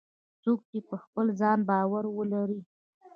څوک چې په خپل ځان باور ولري